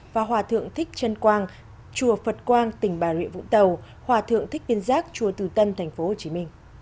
và hòa thượng thích trân quang chùa phật quang tỉnh bà nguyễn vũ tàu hòa thượng thích viên giác chùa từ tân tp hcm